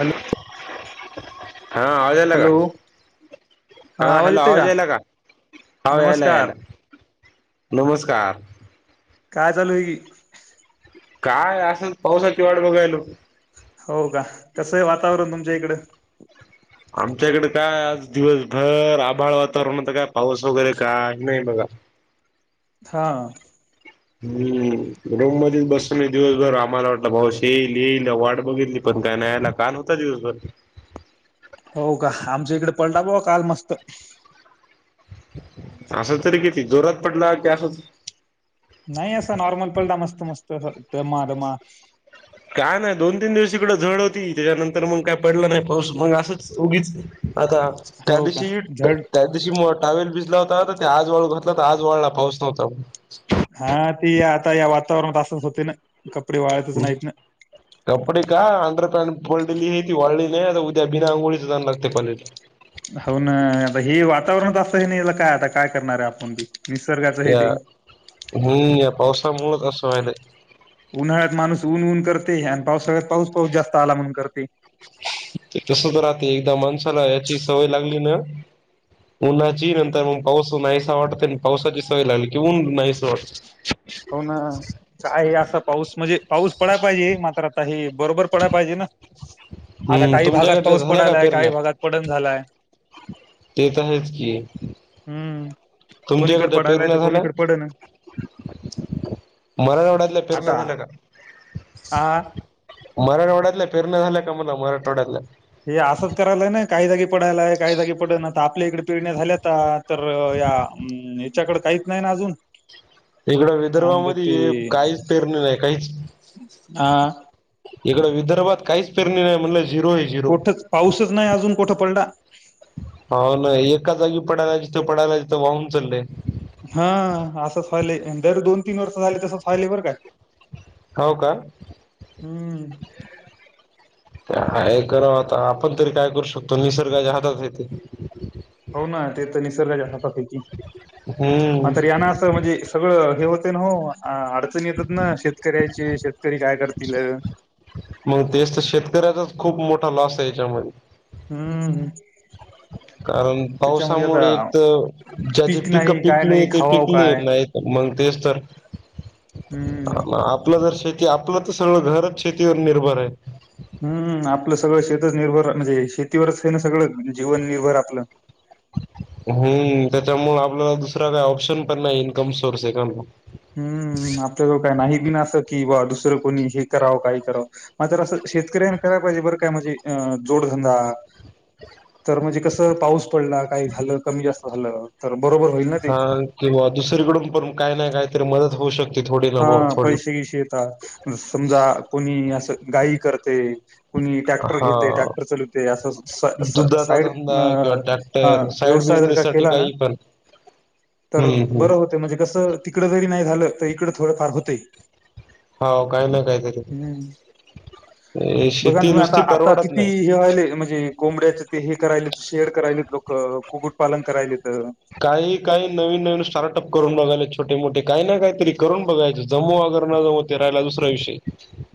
Hello, हा आवाज याला काय? हॅलो हा हॅलो आवाज याला, काय याला नमस्कार याला नमस्कार. काय चालू आहे की, काय असंच पावसाची वाट बघालो. हो का, कसं आहे वातावरण तुमच्या इकड आमच्याकडे काय आज दिवसभर आभाळ वातावरण होत आता काय पाऊस वगैरे काय नाही बघा. हा, हम्म रुम मध्येच बसलोय, दिवसभर आम्हाला वाटलं पाऊस येईल येईल वाट बघितली. पण काय नाहीये ना, काल होता दिवसभर हो का, आमच्या इकडे पडला बुवा काल मस्त. असं तरी किती जोरात पडला, की असंच नाही असं नॉर्मल पडला, मस्त मस्त अस दमा दमा काय नाही दोन तीन दिवस इकडं झड होती. त्याच्यानंतर मग काय पडलं नाही पाऊस मग असंच, उगीच आता त्या हो का दिवशी, झड त्या दिवशी टॉवेल भिजला होता. ते आज वाळू घातला तर आज वाळला पाऊस नव्हता म्हणून. हा ती आता या वातावरणात असतच होतंय ना, कपडे वाळतच नाहीत ना कपडे का अंडर पॅन्ट [unintelligible] ती वाळी, नाही आता उद्या बिनाआंघोळीच जाणार ते कॉलेज ला. हो ना, आता हे वातावरणच असं येना काय आता काय करणार ये आपण बी. निसर्गाचं हे या ते मी या पावसामुळच असं व्हायलंय. उन्हाळ्यात माणूस ऊन ऊन करते. आणि पाऊस सगळ्यात पाऊस पाऊस जास्त आला म्हणून करते. ते तसचं राहतय एकदा माणसाला याची सवय लागली ना उन्हाची नंतर मग पाऊस नाहीसा, वाटत पावसाची सवय लागली की उन्ह नाहीस वाटत. हो ना, काय असं पाऊस म्हणजे, पाऊस पडायला पाहिजे मात्र आता हे. बरोबर पडाय पाहिजे ना, आता हम्म काही भागात तुमच्याकडच्या पाऊस झाल्या का पडालाय, काही भागात पडण झालाय. तेे तर आहेच की, हम्म कोणीकडे तुमच्याकडच्या पडायलाय पेरण्या तर झाल्या. कोणीकडे पडण मराठ्यावाड्यातल्या पेरण्या आता झाल्या का, हा मराठ्यावाड्यात, पेरण्या झाल्या का म्हन मराठवाड्यातला, पडालाय काही जागी पडना, आता आपल्या इकड पेरणे झाल्याता तर, च्याकड काहीच नाही ना अजून, इकडं काय म्हणतात ते विदर्भामध्ये, काहीच पेरणी नाही काहीच हा, इकडं विदर्भात काहीच पेरणी नाही म्हणलं, झीरो ये झीरो, कुठच पाऊसच नाही अजून कुठं पडला हो ना एका जागी प पडायला जिथं पडायला, जिथं वाहून चाललंय. हा असंच व्हालंय, जर दोन तीन वर्ष झाले तसंच व्हालंय बरं का, हो का हम. काय करांव आता आपण तरी काय करू शकतो निसर्गाच्या हातात हाय ते. हो ना ते तर निसर्गाच्या हातात हाय की, म हम्म तर यांना असं म्हणजे सगळं हे होत. ते नं हो अडचण येतात ना शेतकऱ्याचे शेतकरी काय करतील. मंग तेच त शेतकऱ्याचाच खूप मोठा लॉस ये याच्यामध्ये हम्म कारण त्याच्यामध्ये आता पावसामुळे एक तर ज्याचे पीक नाही पिकं काय पिकले नाही ते खावाव पिकले काय नाय त मंग तेचं तर हम्म अ मं आपलं जर शेत ते आपलं तर सगळं घरच शेतीवर निर्भर ये. हम्म आपलं सगळं शेतच निर्भर म्हणजे शेतीवरच हाय ना सगळं जीवन निर्भर आपलं. हम्म त्याच्यामुळ आपल दुसरा काय ऑप्शन पण नाही इन्कम सोर्स ये का हम्म तर कोणी हे करावं काही कराव मला तर असं शेतकऱ्यांनं करायला पाहिजे बरं काय म्हणजे जोडधंदा तर म्हणजे कस पाऊस पडला काय झालं कमी जास्त झालं. तर बरोबर होईल ना ते हा किंवा दुसरीकडून पण काय नाय कायतरी मदत होऊ शक हा पैसे इसे येतात समजा कोणी असं गाई करते. कुणी टॅक्टर हा घेते टॅक्टर चालवते असं सा सा दुधाचा साईड ह व्यव बिजनेस साठी काई पण तर हम्म हम्म बरं होतय म्हणजे कसं तिकड जरी नाय झालं त इकडं थोडंफार होतय. हो काय ना कायतरी बघा ना तुम्ही आता आता किती नाही. हे व्हायले म्हणजे कोंबड्याच ते हे करायलेत शेड करायलेत. लोक कुकुट पालन करायलेत. काही काही नवीन नवीन स्टार्टअप करून बघालेत छोटे मोठे काय ना कायतरी करून बघायच. जमो अगर नाय जमो ते रायला दुसरा विषय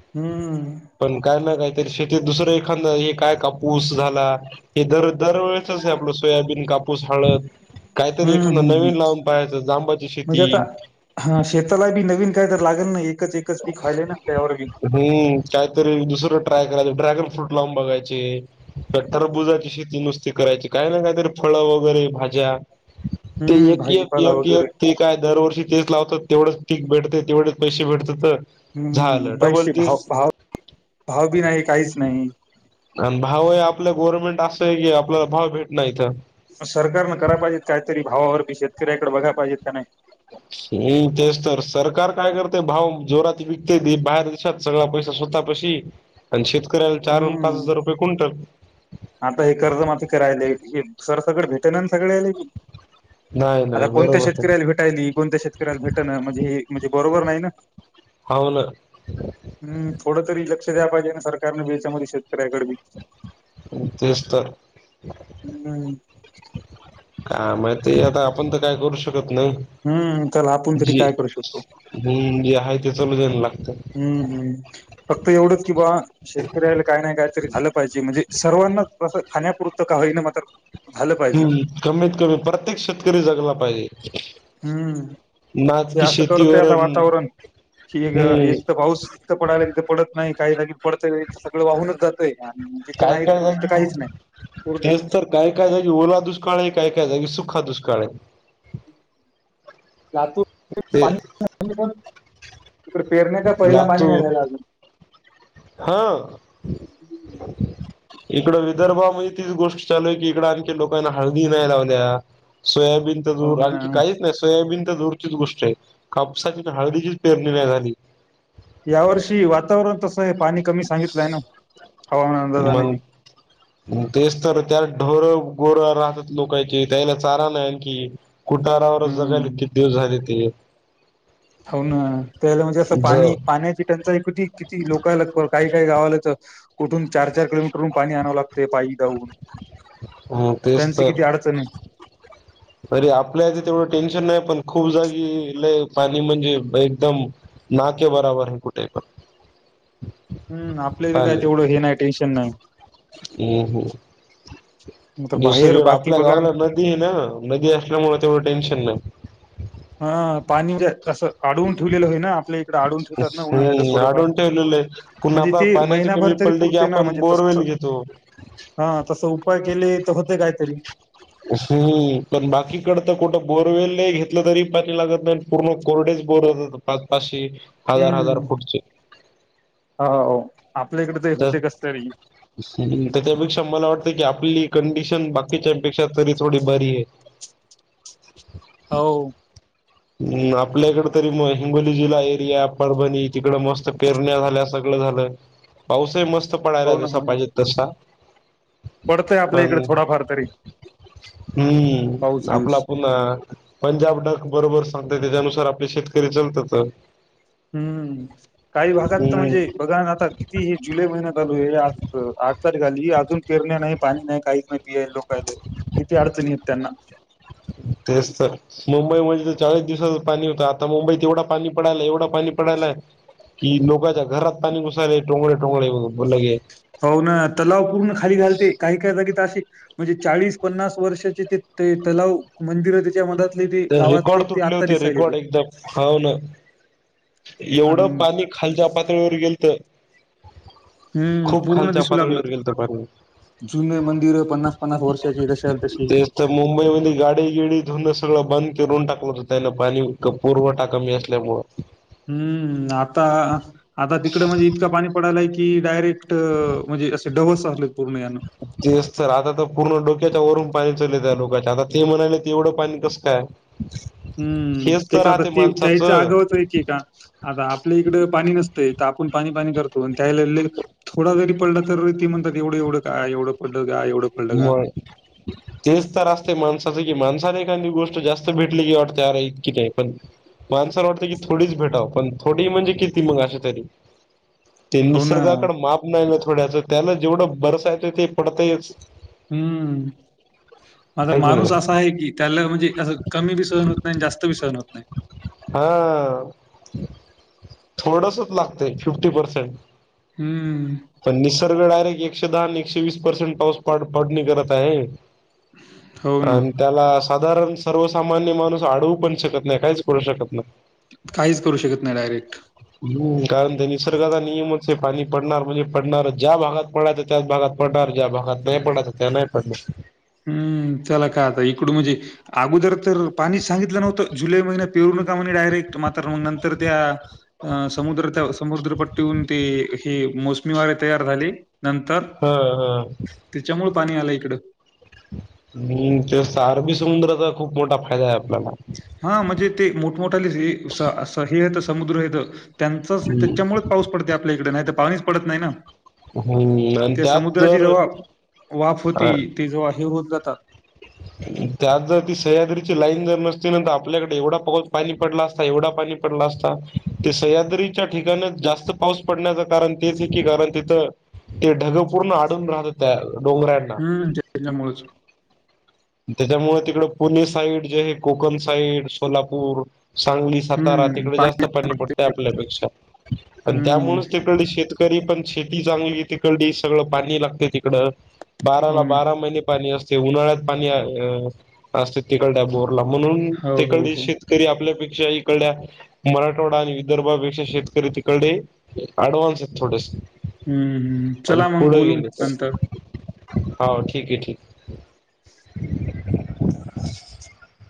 हम्म पण काय ना कायतरी शेती दुसर एखांद एक काय कापूस झाला हे दर दरवेळेसच हे आपलं सोयाबीन कापूस हळद. काहीतरी हम्म हम्म एखादं हम्म नवीन लावून पाहायचं जांबाची म्हणजे शेती आता हा शेताला बी नवीन कायत लागनं नई हूं कायतरी दुसरं ट्राय करायच ड्रॅगन फ्रूट लावून बघायचे. त्या टरबुजाची शेती नुसती करायची काय ना कायतरी फळं वगैरे भाज्या ते हम्म एक एक भाजीपाला एक वगैरे एक ते काय दरवर्षी तेच लावतात. तेवढंच पीक भेटते तेवढेच पैसे भेटते तर हम्म झालं डबल पैसे भाव तीस भाव भाव बी नाही काहीच नाही. आणि भाव आपल्या गवर्मेंट असंय की आपल भाव भेट नाय इथं सरकारनं कराय पाहिजेत काहीतरी भावावरती शेतकऱ्याकड बघाया पाहिजेत का नाय. हम्म तेच तर सरकार काय करतेय भाव जोरात विकतय बाहेर देशात सगळा पैसा स्व स्वतः पाशी आणि शेतकऱ्याला चार पाच हम्म. हजार रुपये क्विंटल. आता हे कर्ज माफी करायलेत हे सर सगळं भेटन नान सगल्याले बी नाय. आता कोणत्या शेतकऱ्याला भेटायली कोणत्या शेतकऱ्याला भेटणं म्हणजे हे म्हणजे बरोबर नाय ना. हाव न. हम्म थोड तरी लक्ष दयायला पाहिजे सरकारने बी याच्यामध्ये शेतकऱ्याकड बी तेच तर [unintelligible] हा म ते आता आपण त काय करू शक [unintelligible] त्यात हम्म त्याला आपण नाही तरी जे काय करू शकतो हूं जे हाय ते चालू दया ना. हूं हूं फक्त एवढंच की बा शेतकऱ्याला काय नाय काय तरी झालं पाहिजे म्हणजे सर्वांना असं खाण्यापूरत का हि मत हम् कमीत कमी प्रत्येक शेतकरी जगला पाहिजे हम्म नाच ते की असं करतय शेतीवर आता अन् वातावरण कि हम्म एक तर पाऊस इथं पडायला तिथं पडत नाही काही लगे पडतय सगं वाहूनच जात काय करायला घेऊ उरलंच तेच तर काय काय जाग ओला दुष्काळ आहे काय काय जागे सुखा दुष्काळ आहे लातू ते पा पण फेरण्याचा पहिला माहि्य लातूर झाला अजून हा इकडं विदर्भामध्ये तीच गोष्ट चालू आहे की इकड आणखी लोकांना हळदी नाही लावल्या सोयाब तर हो दूर ना आणखी काहीच नाही सोयाबीन तर दूरचीच गोष्ट आहे कापसाची हळदीचीच पेरणीय झाली या वर्षी वातावरण तसं आहे पाणी कमी सांगितलंय ना हवामान अंदाजाने मग भी तेच तर त्या गोर राहतात लोकांचे त्याना चारा ना आणखी कुटारावरच जगायला हम्म किती दिव झाली ते हो ना त्यावेळी म्हणजे असं ज पाणी पाण्याची टंचाई कुती किती लोकला लग काही काही गावालाच तर कुठून चार चार किलोमीटरून पाणी आणावं लागते पाई ऊन ह त्यांची किती अडचण आहे अरे आपल्या तेवढं टेन्शन नाही पण खूप जागी ल पाणी म्हणजे एकदम ना के बराबर आहे कुठे पण. हुम्म आपलं बी तेवढं हे नाही टेन्शन नाही. हुम्म हुम् [inaudible] बाहेर दुसरीकडे बाकी आपल्या बघा न, गावाला नदी आहे ना नदी असल्यामुळे तेवढं टेन्शन नाही. ह पाणी असं अडवून ठेवलेलं होय ना आपलं हुम्म आडवून ठेवलेलं आहेत पुणा का म्हणजे ते आपल्याला पाण्याची महिनाभर कमी तरी पडली की पुरते ना आपण म्हणजे बोरवेल तसं येतो हा तस उपाय केले तर होते काहीतरी. हुं पण बाकीकड तर कुठं बोरवेल ला घेतलं तरी पाणी लागत नाही पूर्ण कोरडे बोर हो पाच पाचे हजार हजार हम्म फुडचे हो आपल्या इकडे ते तर. होते कस तरी हित त्यापेक्षा मला वाटतय की आपली कंडिशन बाकीच्यापेंक्षा तरी थोडी बारी आहे. हो हु आपल्याकडे तरी मग हिंगोली जिल्हा एरिया परभणी तिकड मस्त पेरण्या झाल्या सगळ्या झालय पाऊसही मस्त पडलाय जसा पाहिजे तसा. पडतय आपल्या इकडे थोडाफार तरी. पाऊस हुम्म आपला गिऊस पुन्हा पंजाब डक बरोबर सांग त्याच्यानुसार आपले शेतकरी लतातच हुम्म काही भागात तर हम्म म्हणजे बघा ना आता किती हे जुलै महिन्या चालू आहे अ ंआठ तारीख आली अजून पेरण्या नाही पाणी नाही काहीच नाही माहीम हे लोक तेच तर मुंबई म्हण चाळीस दिवसाच पाणी होतं आता मुंबईत एवढा पाणी पडायला एवढं पाणी पडायलाय कि लोकाांच्या घरात पाणी घुसाळले टोंगळे टोंगळे लगे हो ना तलाव पूर्ण खाली घालते काही काय जागी तर आशी म्हणजे चाळीस पन्नास वर्षाचे ते तलाव मंदिर त्याच्या मधात तर रेकॉर्ड तुटले होते रेकॉर्ड एकदा ह ल अन् एवढं पाणी खालच्या पातळीवर गेलत. हं खूप पूर्ण खालच्या दिसू लागलं. पातळीवर गेलत पाणी जुने मंदिरं वर्षाची जशाला तशी. तेच तर मुंबई मध्ये गाडी गिडी धुन व बंद करून टाकवत होत त्याल पाणी, पूर्वठा कमी असल्यामुळ. हम्म आता आता तिकडे म्हणजे इतकं पाणी पडायलाय की डायरेक्ट तर म्हणजे असे डवस आलेत पूर्ण यानं. तेच तर आता तर पूर्ण डोक्याच्या वरून पाणी चालय त्या लोकांच्या. आता ते म्हणाले ते एवढं पाणी कस काय हम्म हेच तर त्याचा ब राहते ती च्या माणसाचं आगावच आहे ऐ की का आता आपल्या इकड पाणी नसत हित आपण पाणी पाणी करतो. आणि त्यावेळी लई थोडा जरी पडलं तर ते म्हणतात एवढं एवढं का एवढं पडलं का एवढं पडलं का मग तेच तर असते माणसाचं कि माणसाणे एखादी गोष्ट जास्त भेटली की वाटते, आरे इतकी काय पण माणसाला वाटतं की थोडीच भेटाव, पण थोडी म्हणजे किती मग अशीतरी ते हो ना. निसर्गाकड माप नाही ना थोड्याच त्याला जेवढं बरसायचं ते पडतयच. हम्म. म हाय की नाही माणूस असा आहे की त्याला म्हणजे असं कमी बी सहन होत नाही आणि जास्त बी सहन होत नाही. हा. [inaudible] थोडसच लागतय, फिफ्टी पर्सेंट. हम्म. पण निसर्ग डायरेक्ट एकशे दहाआणि एकशे वीस पर्सेंट पाऊस पाड पाडणी करत आहे. हो ना. आणि त्याला अस साधारण सर्वसामान्य माणूस आडवू पण शकत नाही काहीच करू शकत नाही. काहीच करू शकत नाही डायरेक्ट. नाही. कारण ते निसर्गाचा नियमच हे पाणी पडणार म्हणजे पडणारच. ज्या भागात पडयचं त्याच भागात पडणार. ज्या भागात नाही पडायचं त्या नाही पडणार. हम्म चला काय आता इकड म्हणजे अगोदर तर पाणी सांगितलं नव्हतं. जुलै महिन्यात पेरून आता म्हणे डायरेक्ट मात्र. नंतर त्या समुद्र त्या समुद्रपट्टीवरुन ते हे मोसमी वारे तयार झाली नंतर, ह ह त्याच्यामुळे पाणी आलं इकड. हम्म तेच तर अरबी समुद्राचा खूप मोठा फायदा आहे आपल्याला. हा म्हणजे ते मोठमोठाले हे स ह हेत समुद्र हेेत त्यांचच हम्म. त्याच्यामुळेच पाऊस पडते आपल्या इकडे, नाही तर पाणीच पडत नाही ना. हम्म आणि त्या त्यात समुद्राची जर जेव्हा वाफ होती, ते जेव्हा हे होउन जात ता त्यात जर ती सह्याद्रीची लाईन जर नसती ना, तर आपल्याकडे एवढा पाऊस पाणी पडला असता एवढा पाणी पडला असता ते सह्याद्रीच्या ठिकाण जास्त पाऊस पडण्याचं कारण तेच आहे की कारण तिथं ते ढग पूर्ण अडून राहता त्या डोंगरांना. हं, त्याच्यामुळेच. त्याच्यामुळे तिकड पुणे साईड जे आहे कोकण साईड, सोलापूर सांगली, सातारा तिकडे जास्त पाणी पडतंय आपल्यापेक्षा, आणि हं, त्यामुळेच तिकडे शेत तरी पण शेती चांगली तिकड, सगळं पाणी लागते तिकडं. बाराला हो ना. बारा महिने पाणी असते उन्हाळ्यात पाणी आहे असते तिकडल्या बोर म्हणून हो, हो, तिकडले हो. शेतकरी आपले पीक च्या इकडल्या मराठवाडा आणि विदर्भापेक्षा शेतकरी तिकडे ॲडव्हान्स आहेत थोडेसे. हम्म हम्म पण चला मग पुढे बोलू गेले तर नंतर. हो ठीक आहे ठीक. [inaudible]